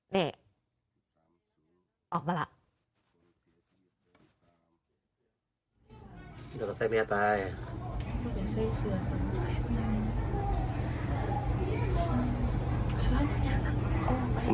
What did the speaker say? นี่ออกมาแล้ว